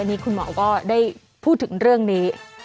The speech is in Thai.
นี่คุณหมอก็ได้พูดถึงเรื่องนี้